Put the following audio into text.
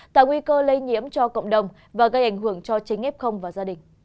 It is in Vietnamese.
tạo nguy cơ lây nhiễm cho cộng đồng và gây ảnh hưởng cho chính f và gia đình